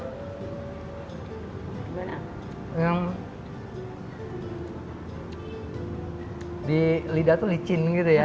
yang di lidah itu licin gitu ya